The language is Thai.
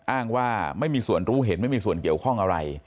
อ้างว่าไม่มีส่วนรู้เห็นไม่มีส่วนเกี่ยวข้องอะไร